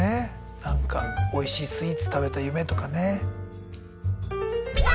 何かおいしいスイーツ食べた夢とかね。